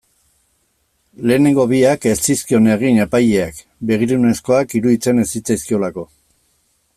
Lehenengo biak ez zizkion egin epaileak, begirunezkoak iruditzen ez zitzaizkiolako.